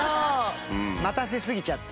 待たせ過ぎちゃって。